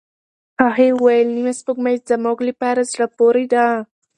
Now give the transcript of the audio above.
هغې وویل، نیمه سپوږمۍ زموږ لپاره زړه پورې ده.